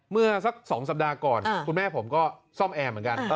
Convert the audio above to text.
เมื่อสัก๒สัปดาห์ก่อนคุณแม่ผมก็ซ่อมแอร์เหมือนกัน